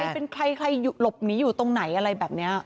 เป็นใครใครหลบหนีอยู่ตรงไหนอะไรแบบนี้